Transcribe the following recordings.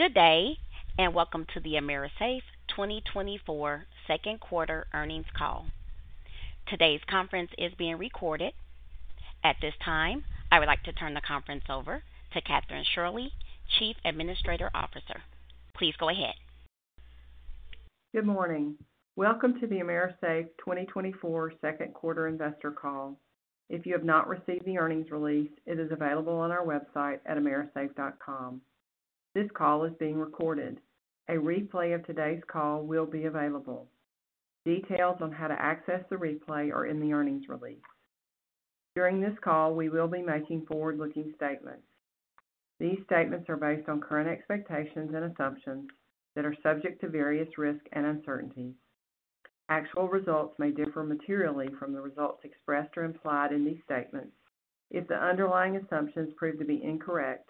Good day, and welcome to the AMERISAFE 2024 Second Quarter Earnings Call. Today's conference is being recorded. At this time, I would like to turn the conference over to Kathryn Shirley, Chief Administrative Officer. Please go ahead. Good morning. Welcome to the AMERISAFE 2024 second quarter investor call. If you have not received the earnings release, it is available on our website at amerisafe.com. This call is being recorded. A replay of today's call will be available. Details on how to access the replay are in the earnings release. During this call, we will be making forward-looking statements. These statements are based on current expectations and assumptions that are subject to various risks and uncertainties. Actual results may differ materially from the results expressed or implied in these statements if the underlying assumptions prove to be incorrect,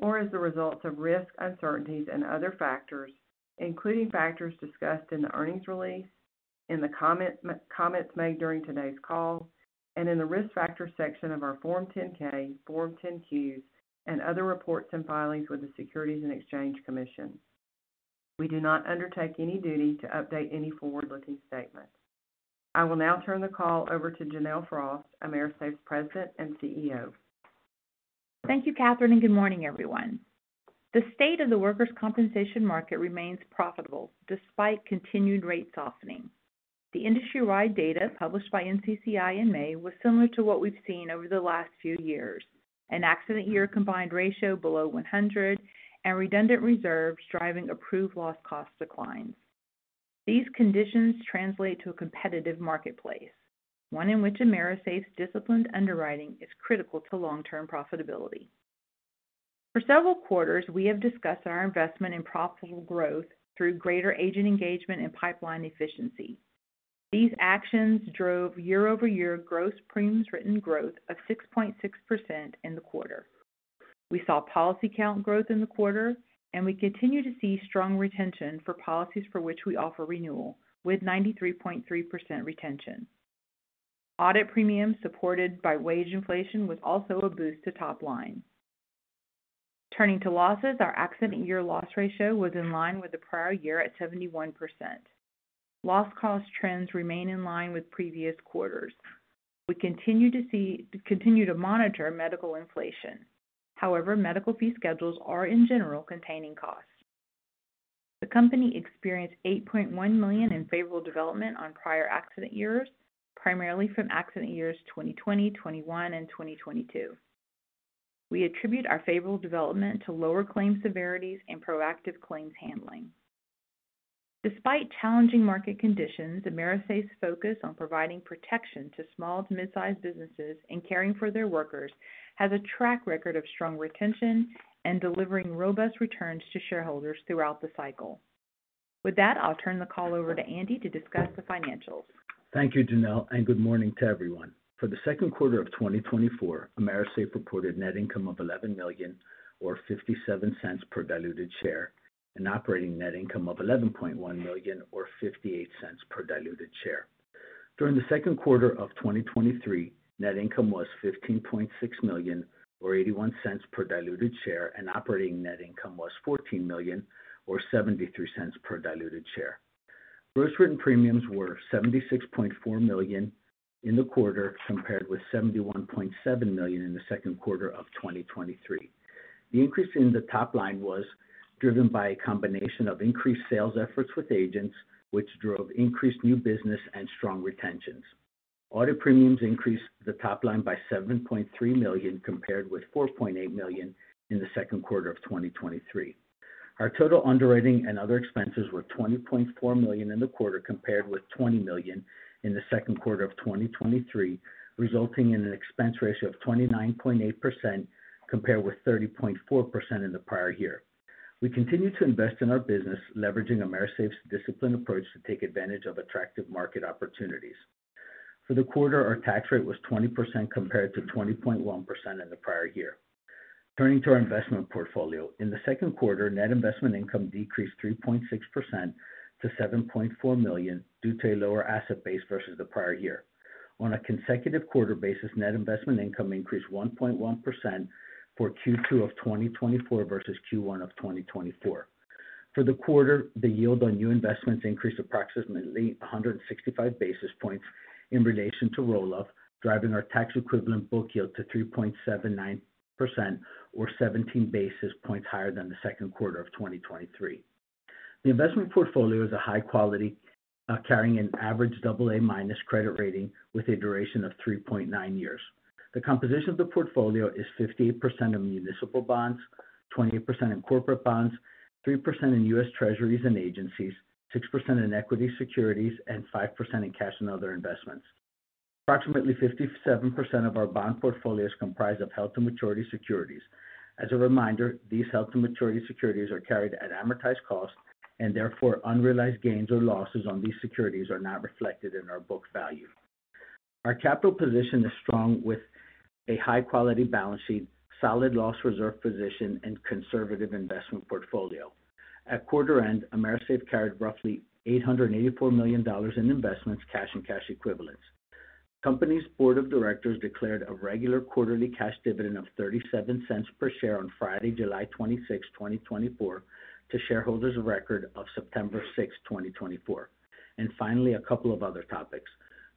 or as the results of risks, uncertainties, and other factors, including factors discussed in the earnings release, in the comments made during today's call, and in the risk factor section of our Form 10-K, Form 10-Qs, and other reports and filings with the Securities and Exchange Commission. We do not undertake any duty to update any forward-looking statements. I will now turn the call over to Janelle Frost, AMERISAFE's President and CEO. Thank you, Kathryn, and good morning, everyone. The state of the workers' compensation market remains profitable despite continued rate softening. The industry-wide data published by NCCI in May was similar to what we've seen over the last few years: an accident-year combined ratio below 100 and redundant reserves driving approved loss cost declines. These conditions translate to a competitive marketplace, one in which AMERISAFE's disciplined underwriting is critical to long-term profitability. For several quarters, we have discussed our investment in profitable growth through greater agent engagement and pipeline efficiency. These actions drove year-over-year gross premiums written growth of 6.6% in the quarter. We saw policy count growth in the quarter, and we continue to see strong retention for policies for which we offer renewal, with 93.3% retention. Audit premiums supported by wage inflation were also a boost to top line. Turning to losses, our accident-year loss ratio was in line with the prior year at 71%. Loss cost trends remain in line with previous quarters. We continue to monitor medical inflation. However, medical fee schedules are, in general, containing costs. The company experienced $8.1 million in favorable development on prior accident years, primarily from accident years 2020, 2021, and 2022. We attribute our favorable development to lower claim severities and proactive claims handling. Despite challenging market conditions, AMERISAFE's focus on providing protection to small to mid-sized businesses and caring for their workers has a track record of strong retention and delivering robust returns to shareholders throughout the cycle. With that, I'll turn the call over to Andy to discuss the financials. Thank you, Janelle, and good morning to everyone. For the second quarter of 2024, AMERISAFE reported net income of $11 million, or $0.57 per diluted share, and operating net income of $11.1 million, or $0.58 per diluted share. During the second quarter of 2023, net income was $15.6 million, or $0.81 per diluted share, and operating net income was $14 million, or $0.73 per diluted share. Gross written premiums were $76.4 million in the quarter compared with $71.7 million in the second quarter of 2023. The increase in the top line was driven by a combination of increased sales efforts with agents, which drove increased new business and strong retentions. Audit premiums increased the top line by $7.3 million compared with $4.8 million in the second quarter of 2023. Our total underwriting and other expenses were $20.4 million in the quarter compared with $20 million in the second quarter of 2023, resulting in an expense ratio of 29.8% compared with 30.4% in the prior year. We continue to invest in our business, leveraging AMERISAFE's disciplined approach to take advantage of attractive market opportunities. For the quarter, our tax rate was 20% compared to 20.1% in the prior year. Turning to our investment portfolio, in the second quarter, net investment income decreased 3.6% to $7.4 million due to a lower asset base versus the prior year. On a consecutive quarter basis, net investment income increased 1.1% for Q2 of 2024 versus Q1 of 2024. For the quarter, the yield on new investments increased approximately 165 basis points in relation to roll-up, driving our tax-equivalent book yield to 3.79%, or 17 basis points higher than the second quarter of 2023. The investment portfolio is a high-quality, carrying an average AA- credit rating with a duration of 3.9 years. The composition of the portfolio is 58% in municipal bonds, 28% in corporate bonds, 3% in U.S. Treasuries and agencies, 6% in equity securities, and 5% in cash and other investments. Approximately 57% of our bond portfolio is comprised of held-to-maturity securities. As a reminder, these held-to-maturity securities are carried at amortized cost, and therefore, unrealized gains or losses on these securities are not reflected in our book value. Our capital position is strong with a high-quality balance sheet, solid loss reserve position, and conservative investment portfolio. At quarter end, AMERISAFE carried roughly $884 million in investments, cash and cash equivalents. The company's board of directors declared a regular quarterly cash dividend of $0.37 per share on Friday, July 26, 2024, to shareholders of record on September 6, 2024. Finally, a couple of other topics.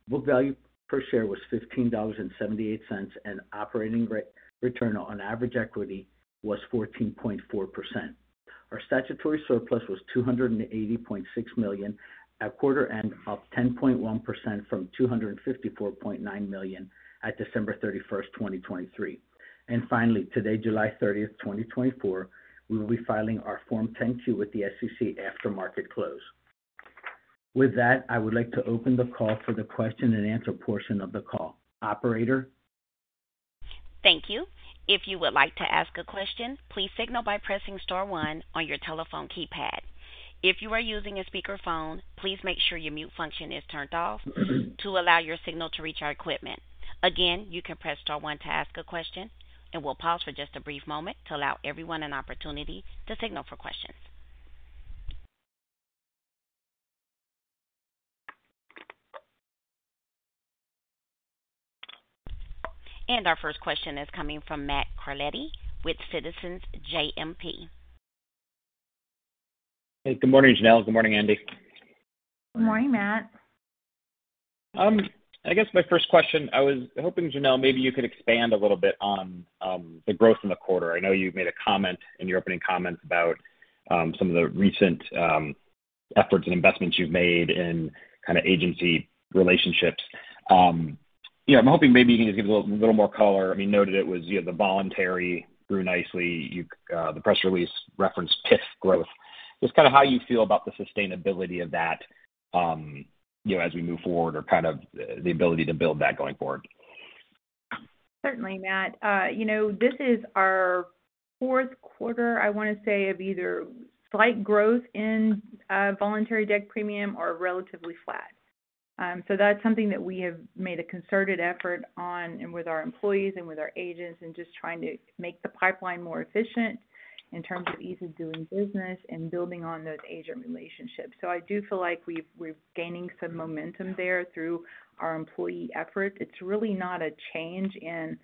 Book value per share was $15.78, and operating return on average equity was 14.4%. Our statutory surplus was $280.6 million at quarter end, up 10.1% from $254.9 million at December 31, 2023. Finally, today, July 30, 2024, we will be filing our Form 10-Q with the SEC after market close. With that, I would like to open the call for the question-and-answer portion of the call. Operator. Thank you. If you would like to ask a question, please signal by pressing star one on your telephone keypad. If you are using a speakerphone, please make sure your mute function is turned off to allow your signal to reach our equipment. Again, you can press star 1 to ask a question, and we'll pause for just a brief moment to allow everyone an opportunity to signal for questions. And our first question is coming from Matt Carletti with Citizens JMP. Hey, good morning, Janelle. Good morning, Andy. Good morning, Matt. I guess my first question, I was hoping, Janelle, maybe you could expand a little bit on the growth in the quarter. I know you made a comment in your opening comments about some of the recent efforts and investments you've made in kind of agency relationships. I'm hoping maybe you can just give us a little more color. I mean, noted it was the voluntary grew nicely. The press release referenced PIF growth. Just kind of how you feel about the sustainability of that as we move forward or kind of the ability to build that going forward. Certainly, Matt. This is our fourth quarter, I want to say, of either slight growth in voluntary direct premium or relatively flat. So that's something that we have made a concerted effort on with our employees and with our agents and just trying to make the pipeline more efficient in terms of ease of doing business and building on those agent relationships. So I do feel like we're gaining some momentum there through our employee effort. It's really not a change in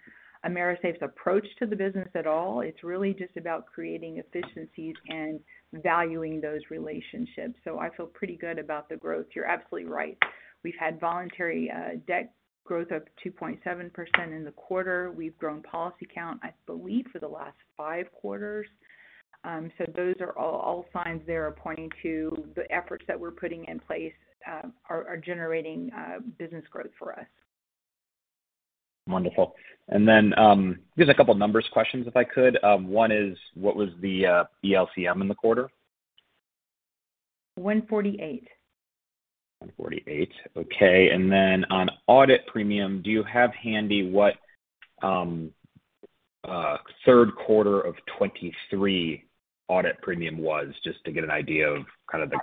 AMERISAFE's approach to the business at all. It's really just about creating efficiencies and valuing those relationships. So I feel pretty good about the growth. You're absolutely right. We've had voluntary direct growth of 2.7% in the quarter. We've grown policy count, I believe, for the last five quarters. Those are all signs that are pointing to the efforts that we're putting in place are generating business growth for us. Wonderful. Just a couple of number questions, if I could. One is, what was the ELCM in the quarter? 148. Okay. And then on audit premium, do you have handy what third quarter of 2023 audit premium was, just to get an idea of kind of the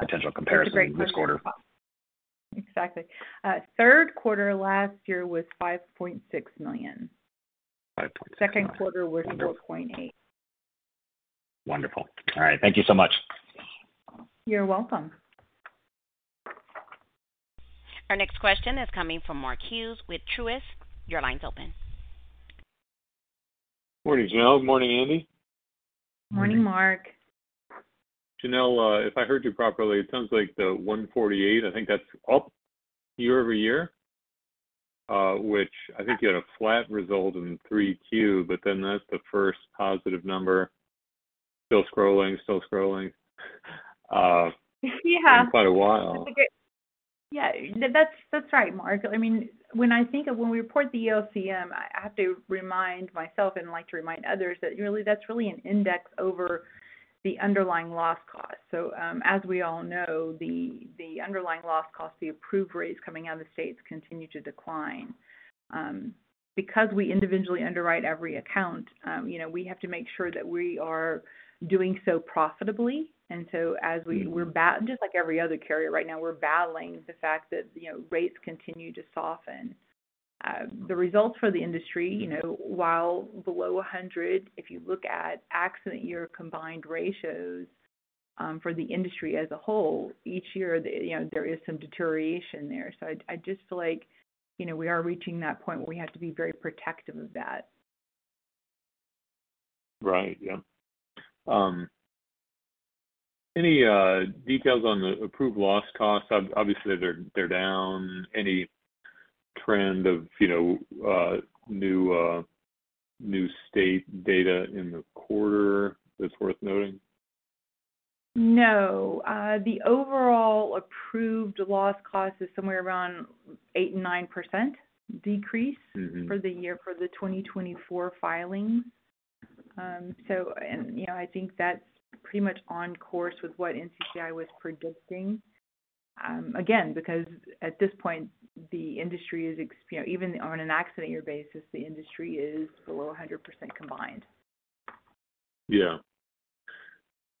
potential comparison in this quarter? Yeah. Exactly. Exactly. Third quarter last year was $5.6 million. 5.6 million. Second quarter was 4.8. Wonderful. All right. Thank you so much. You're welcome. Our next question is coming from Mark Hughes with Truist. Your line's open. Morning, Janelle. Good morning, Andy. Morning, Mark. Janelle, if I heard you properly, it sounds like the 148, I think that's up year-over-year, which I think you had a flat result in 3Q, but then that's the first positive number. Still scrolling, still scrolling. Yeah. For quite a while. Yeah. That's right, Mark. I mean, when I think of when we report the ELCM, I have to remind myself and like to remind others that really that's really an index over the underlying loss cost. So as we all know, the underlying loss cost, the approved rates coming out of the states continue to decline. Because we individually underwrite every account, we have to make sure that we are doing so profitably. And so as we're just like every other carrier right now, we're battling the fact that rates continue to soften. The results for the industry, while below 100, if you look at accident-year combined ratios for the industry as a whole, each year there is some deterioration there. So I just feel like we are reaching that point where we have to be very protective of that. Right. Yeah. Any details on the approved Loss Cost? Obviously, they're down. Any trend of new state data in the quarter that's worth noting? No. The overall approved loss cost is somewhere around 8%-9% decrease for the year for the 2024 filing. So I think that's pretty much on course with what NCCI was predicting. Again, because at this point, the industry is even on an accident-year basis, the industry is below 100% combined. Yeah.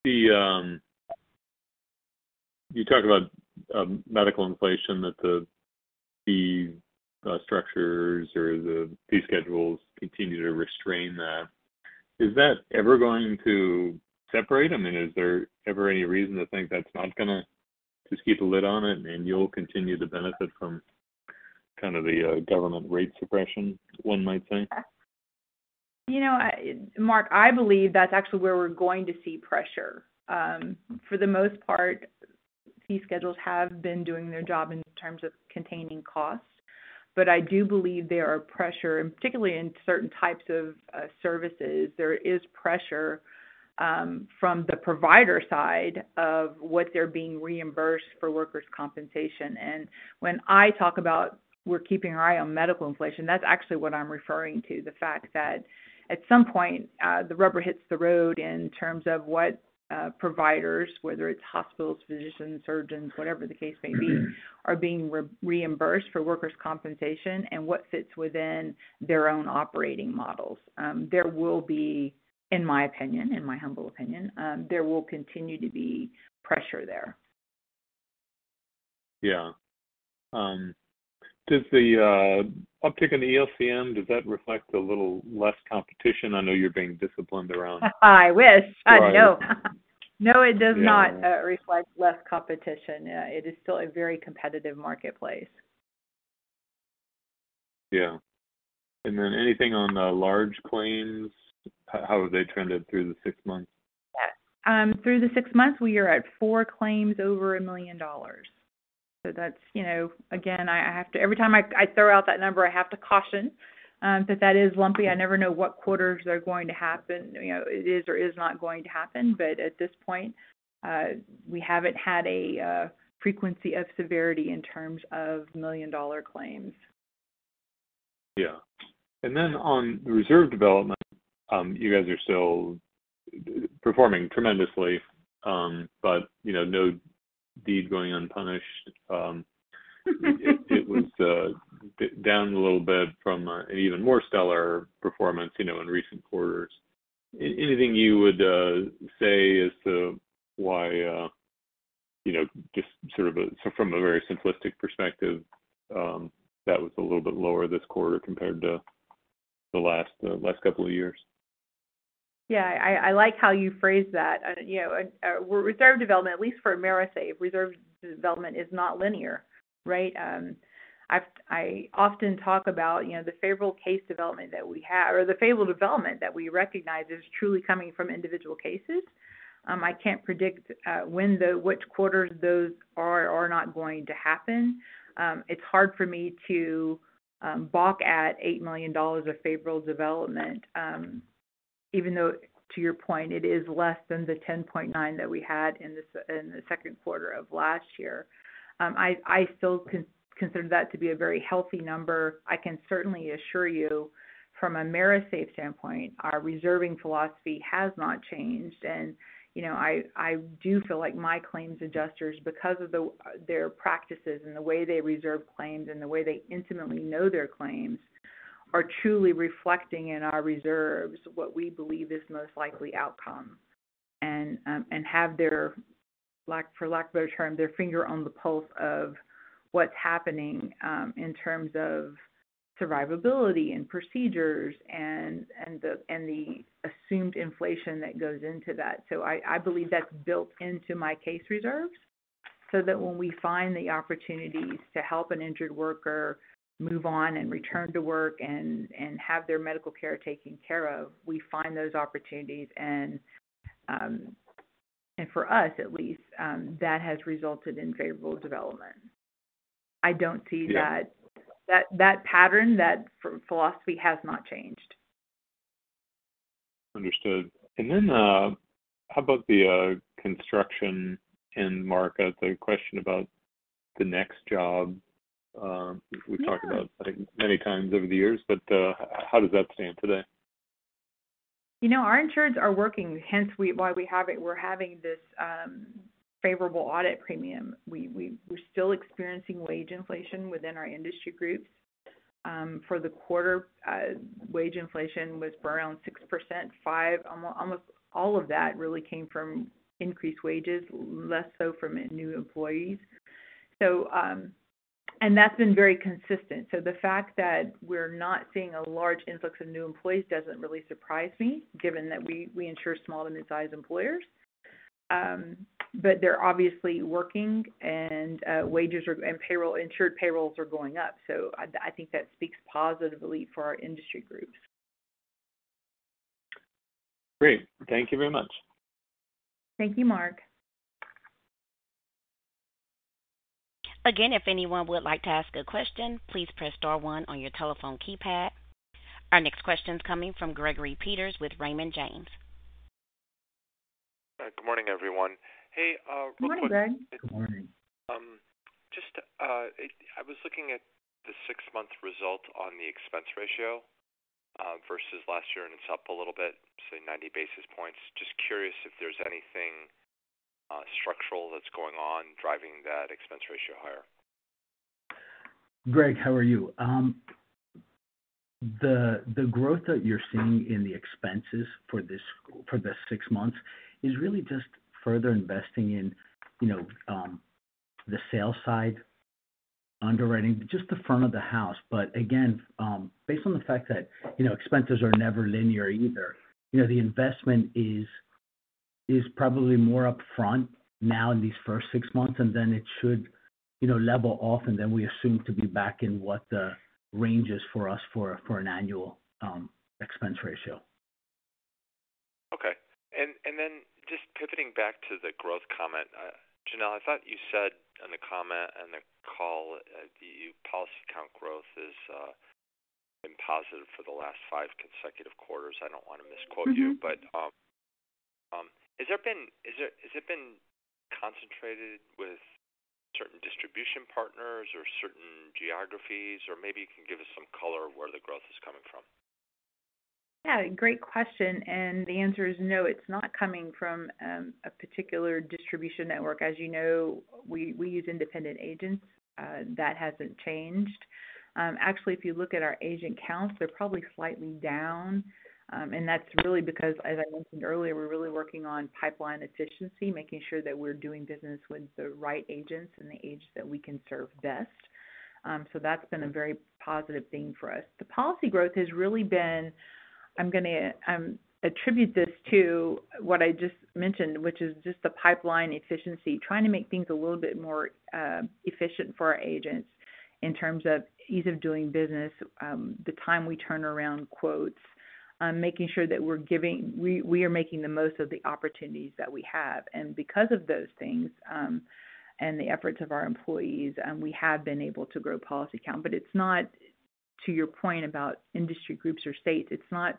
You talk about medical inflation, that the fee structures or the fee schedules continue to restrain that. Is that ever going to separate? I mean, is there ever any reason to think that's not going to just keep the lid on it and you'll continue to benefit from kind of the government rate suppression, one might say? Mark, I believe that's actually where we're going to see pressure. For the most part, fee schedules have been doing their job in terms of containing costs. But I do believe there is pressure, and particularly in certain types of services, there is pressure from the provider side of what they're being reimbursed for workers' compensation. And when I talk about we're keeping our eye on medical inflation, that's actually what I'm referring to, the fact that at some point, the rubber hits the road in terms of what providers, whether it's hospitals, physicians, surgeons, whatever the case may be, are being reimbursed for workers' compensation and what fits within their own operating models. There will be, in my opinion, in my humble opinion, there will continue to be pressure there. Yeah. Does the uptick in the ELCM, does that reflect a little less competition? I know you're being disciplined around. I wish. I know. No, it does not reflect less competition. It is still a very competitive marketplace. Yeah. And then anything on large claims? How have they trended through the six months? Through the six months, we are at 4 claims over $1 million. So that's, again, I have to every time I throw out that number, I have to caution that that is lumpy. I never know what quarters they're going to happen. It is or is not going to happen. But at this point, we haven't had a frequency of severity in terms of million-dollar claims. Yeah. And then on reserve development, you guys are still performing tremendously, but no good deed goes unpunished. It was down a little bit from an even more stellar performance in recent quarters. Anything you would say as to why just sort of from a very simplistic perspective, that was a little bit lower this quarter compared to the last couple of years? Yeah. I like how you phrase that. Reserve development, at least for AMERISAFE, reserve development is not linear, right? I often talk about the favorable case development that we have or the favorable development that we recognize is truly coming from individual cases. I can't predict which quarters those are or are not going to happen. It's hard for me to balk at $8 million of favorable development, even though, to your point, it is less than the $10.9 million that we had in the second quarter of last year. I still consider that to be a very healthy number. I can certainly assure you, from a AMERISAFE standpoint, our reserving philosophy has not changed. I do feel like my claims adjusters, because of their practices and the way they reserve claims and the way they intimately know their claims, are truly reflecting in our reserves what we believe is the most likely outcome and have, for lack of a better term, their finger on the pulse of what's happening in terms of survivability and procedures and the assumed inflation that goes into that. So I believe that's built into my case reserves so that when we find the opportunities to help an injured worker move on and return to work and have their medical care taken care of, we find those opportunities. And for us, at least, that has resulted in favorable development. I don't see that pattern. That philosophy has not changed. Understood. And then how about the construction end, Mark? The question about the next job, we've talked about many times over the years, but how does that stand today? Our insureds are working. Hence why we have it. We're having this favorable audit premium. We're still experiencing wage inflation within our industry groups. For the quarter, wage inflation was around 6%, 5%. Almost all of that really came from increased wages, less so from new employees. And that's been very consistent. So the fact that we're not seeing a large influx of new employees doesn't really surprise me, given that we insure small to mid-sized employers. But they're obviously working, and insured payrolls are going up. So I think that speaks positively for our industry groups. Great. Thank you very much. Thank you, Mark. Again, if anyone would like to ask a question, please press star one on your telephone keypad. Our next question is coming from Gregory Peters with Raymond James. Good morning, everyone. Hey. Morning, Greg. Good morning. Just I was looking at the six-month result on the expense ratio versus last year, and it's up a little bit, say, 90 basis points. Just curious if there's anything structural that's going on driving that expense ratio higher. Greg, how are you? The growth that you're seeing in the expenses for the six months is really just further investing in the sales side, underwriting, just the front of the house. But again, based on the fact that expenses are never linear either, the investment is probably more upfront now in these first six months, and then it should level off, and then we assume to be back in what the range is for us for an annual expense ratio. Okay. Then just pivoting back to the growth comment, Janelle, I thought you said in the comment and the call that the policy count growth has been positive for the last 5 consecutive quarters. I don't want to misquote you. Has it been concentrated with certain distribution partners or certain geographies? Or maybe you can give us some color of where the growth is coming from. Yeah. Great question. And the answer is no. It's not coming from a particular distribution network. As you know, we use independent agents. That hasn't changed. Actually, if you look at our agent counts, they're probably slightly down. And that's really because, as I mentioned earlier, we're really working on pipeline efficiency, making sure that we're doing business with the right agents and the agents that we can serve best. So that's been a very positive thing for us. The policy growth has really been. I'm going to attribute this to what I just mentioned, which is just the pipeline efficiency, trying to make things a little bit more efficient for our agents in terms of ease of doing business, the time we turn around quotes, making sure that we are making the most of the opportunities that we have. Because of those things and the efforts of our employees, we have been able to grow policy count. But it's not, to your point about industry groups or states, it's not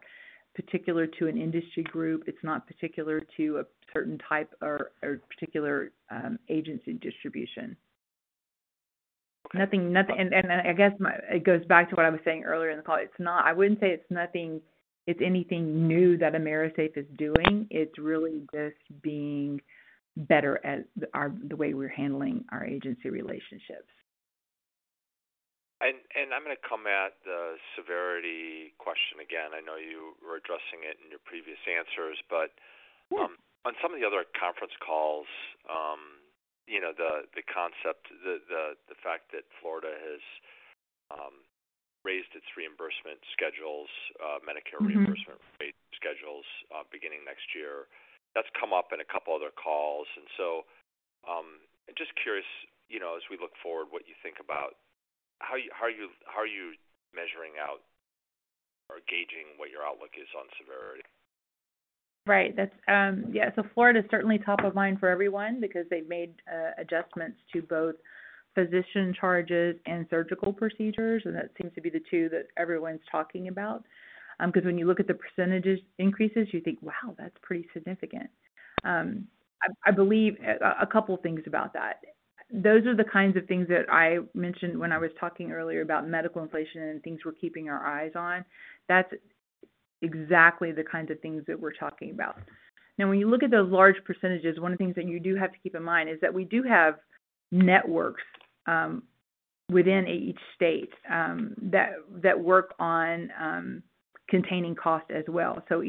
particular to an industry group. It's not particular to a certain type or particular agency distribution. I guess it goes back to what I was saying earlier in the call. I wouldn't say it's anything new that AMERISAFE is doing. It's really just being better at the way we're handling our agency relationships. I'm going to come at the severity question again. I know you were addressing it in your previous answers. But on some of the other conference calls, the concept, the fact that Florida has raised its reimbursement schedules, Medicare reimbursement rate schedules beginning next year, that's come up in a couple of other calls. And so I'm just curious, as we look forward, what you think about how are you measuring out or gauging what your outlook is on severity? Right. Yeah. So Florida is certainly top of mind for everyone because they've made adjustments to both physician charges and surgical procedures. And that seems to be the two that everyone's talking about. Because when you look at the % increases, you think, "Wow, that's pretty significant." I believe a couple of things about that. Those are the kinds of things that I mentioned when I was talking earlier about medical inflation and things we're keeping our eyes on. That's exactly the kinds of things that we're talking about. Now, when you look at those large percentages, one of the things that you do have to keep in mind is that we do have networks within each state that work on containing costs as well. So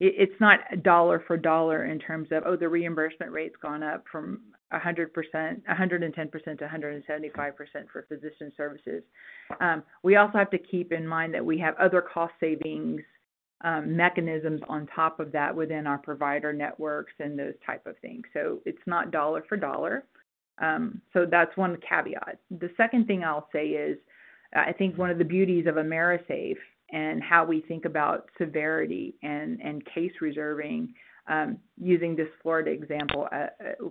it's not dollar for dollar in terms of, "Oh, the reimbursement rate's gone up from 110%-175% for physician services." We also have to keep in mind that we have other cost-savings mechanisms on top of that within our provider networks and those types of things. So it's not dollar for dollar. So that's one caveat. The second thing I'll say is I think one of the beauties of AMERISAFE and how we think about severity and case reserving, using this Florida example,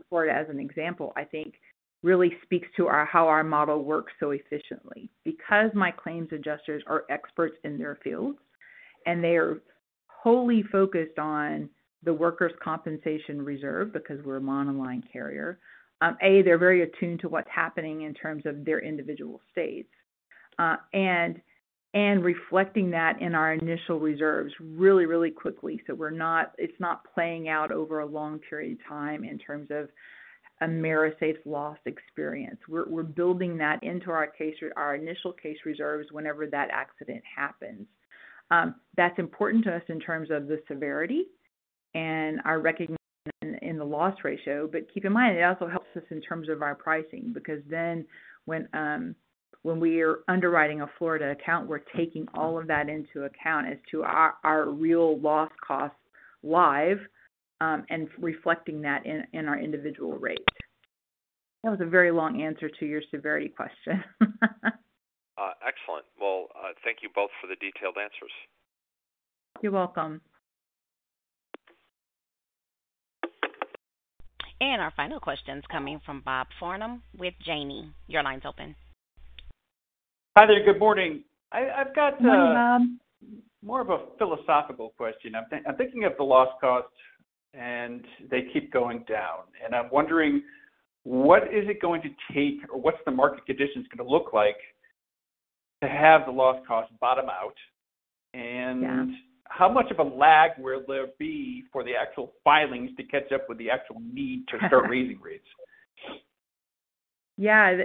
Florida as an example, I think really speaks to how our model works so efficiently. Because my claims adjusters are experts in their fields, and they are wholly focused on the workers' compensation reserve because we're a monoline carrier, A, they're very attuned to what's happening in terms of their individual states and reflecting that in our initial reserves really, really quickly. It's not playing out over a long period of time in terms of AMERISAFE's loss experience. We're building that into our initial case reserves whenever that accident happens. That's important to us in terms of the severity and our recognition in the loss ratio. But keep in mind, it also helps us in terms of our pricing. Because then when we are underwriting a Florida account, we're taking all of that into account as to our real loss costs live and reflecting that in our individual rate. That was a very long answer to your severity question. Excellent. Well, thank you both for the detailed answers. You're welcome. And our final question is coming from Bob Farnam with Janney. Your line's open. Hi there. Good morning. I've got more of a philosophical question. I'm thinking of the loss costs, and they keep going down. And I'm wondering, what is it going to take or what's the market conditions going to look like to have the loss costs bottom out? And how much of a lag will there be for the actual filings to catch up with the actual need to start raising rates? Yeah.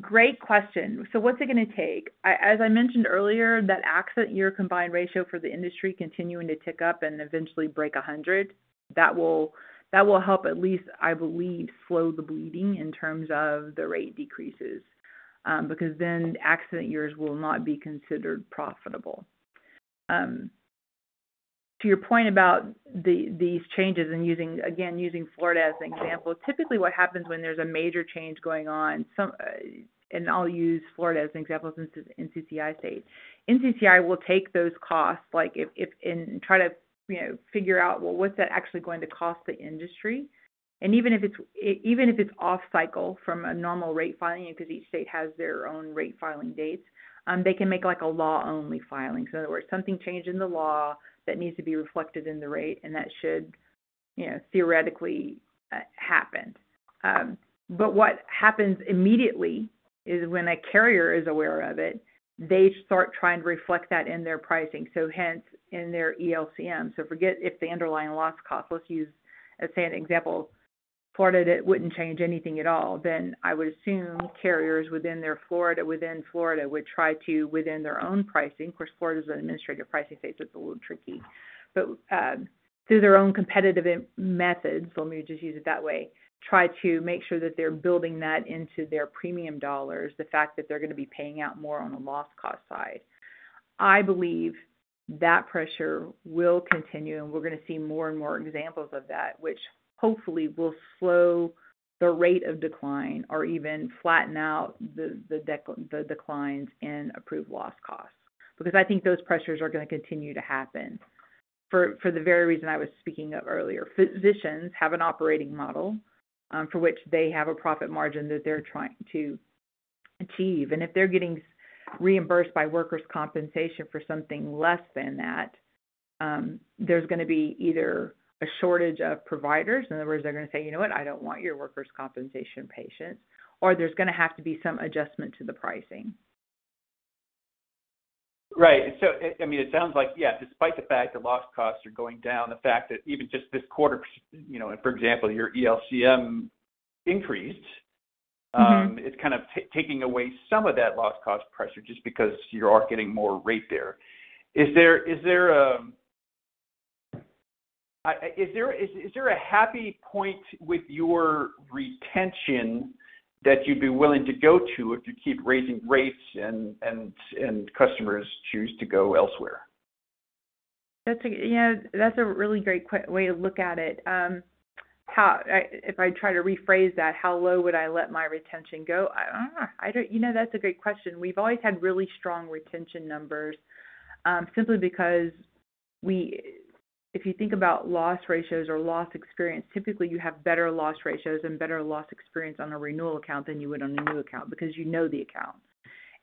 Great question. So what's it going to take? As I mentioned earlier, that accident year combined ratio for the industry continuing to tick up and eventually break 100, that will help, at least, I believe, slow the bleeding in terms of the rate decreases. Because then accident years will not be considered profitable. To your point about these changes and, again, using Florida as an example, typically what happens when there's a major change going on, and I'll use Florida as an example since it's NCCI state, NCCI will take those costs and try to figure out, well, what's that actually going to cost the industry? And even if it's off-cycle from a normal rate filing, because each state has their own rate filing dates, they can make a law-only filing. So in other words, something changed in the law that needs to be reflected in the rate, and that should theoretically happen. But what happens immediately is when a carrier is aware of it, they start trying to reflect that in their pricing, so hence in their ELCM. So forget if the underlying loss costs let's use, let's say, an example, Florida wouldn't change anything at all. Then I would assume carriers within Florida would try to, within their own pricing because Florida's an administrative pricing state, so it's a little tricky. But through their own competitive methods, let me just use it that way, try to make sure that they're building that into their premium dollars, the fact that they're going to be paying out more on the loss cost side. I believe that pressure will continue, and we're going to see more and more examples of that, which hopefully will slow the rate of decline or even flatten out the declines and approve loss costs. Because I think those pressures are going to continue to happen for the very reason I was speaking of earlier. Physicians have an operating model for which they have a profit margin that they're trying to achieve. And if they're getting reimbursed by workers' compensation for something less than that, there's going to be either a shortage of providers. In other words, they're going to say, "You know what? I don't want your workers' compensation patients." Or there's going to have to be some adjustment to the pricing. Right. So I mean, it sounds like, yeah, despite the fact that loss costs are going down, the fact that even just this quarter, for example, your ELCM increased, it's kind of taking away some of that loss cost pressure just because you are getting more rate there. Is there a happy point with your retention that you'd be willing to go to if you keep raising rates and customers choose to go elsewhere? Yeah. That's a really great way to look at it. If I try to rephrase that, how low would I let my retention go? You know that's a great question. We've always had really strong retention numbers simply because if you think about loss ratios or loss experience, typically you have better loss ratios and better loss experience on a renewal account than you would on a new account because you know the account.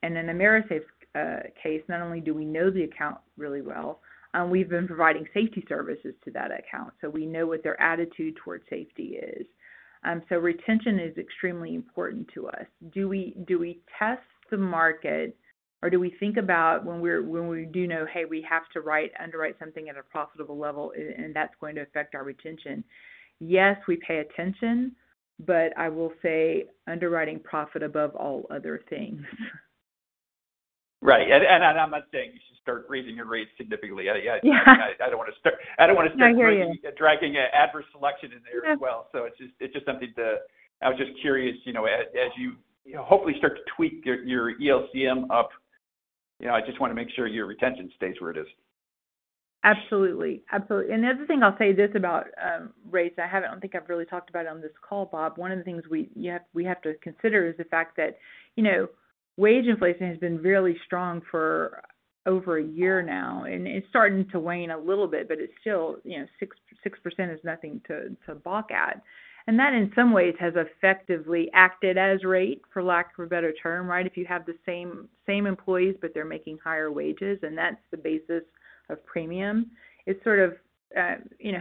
And in AMERISAFE's case, not only do we know the account really well, we've been providing safety services to that account. So we know what their attitude towards safety is. So retention is extremely important to us. Do we test the market, or do we think about when we do know, "Hey, we have to underwrite something at a profitable level, and that's going to affect our retention"? Yes, we pay attention. But I will say underwriting profit above all other things. Right. I'm not saying you should start raising your rates significantly. I don't want to start dragging adverse selection in there as well. It's just something, too. I was just curious, as you hopefully start to tweak your ELCM up, I just want to make sure your retention stays where it is. Absolutely. Absolutely. And the other thing I'll say this about rates, I don't think I've really talked about it on this call, Bob. One of the things we have to consider is the fact that wage inflation has been really strong for over a year now. And it's starting to wane a little bit, but it's still 6% is nothing to balk at. And that in some ways has effectively acted as rate, for lack of a better term, right? If you have the same employees, but they're making higher wages, and that's the basis of premium, it's sort of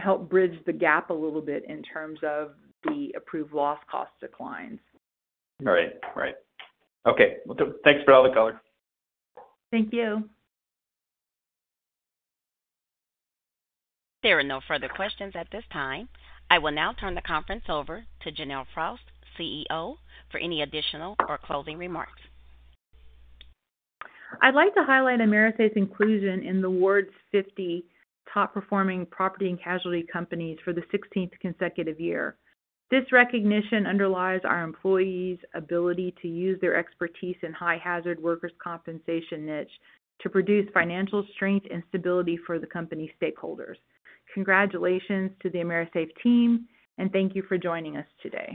helped bridge the gap a little bit in terms of the approved loss cost declines. Right. Right. Okay. Well, thanks for all the color. Thank you. There are no further questions at this time. I will now turn the conference over to Janelle Frost, CEO, for any additional or closing remarks. I'd like to highlight AMERISAFE's inclusion in the Ward's 50 top-performing property and casualty companies for the 16th consecutive year. This recognition underlies our employees' ability to use their expertise in high-hazard workers' compensation niche to produce financial strength and stability for the company stakeholders. Congratulations to the AMERISAFE team, and thank you for joining us today.